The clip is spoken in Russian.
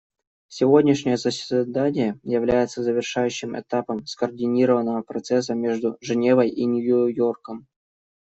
Сегодняшнее заседание является завершающим этапом скоординированного процесса между Женевой и Нью-Йорком.